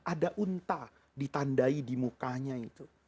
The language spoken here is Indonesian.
ada unta ditandai di mukanya itu